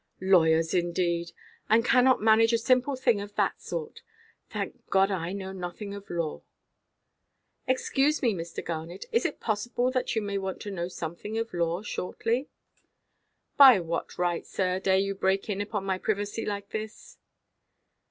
"Lawyers indeed! And cannot manage a simple thing of that sort! Thank God, I know nothing of law." "Excuse me, Mr. Garnet. It is possible that you may want to know something of law, shortly." "By what right, sir, dare you break in upon my privacy like this?"